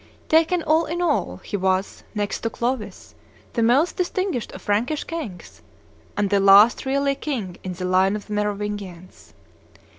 Taken all in all, he was, next to Clovis, the most distinguished of Frankish kings, and the last really king in the line of the Merovingians.